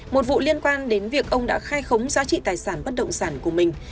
một vụ liên quan đến việc ông đã khai khống giá trị tài sản bất động sản của mình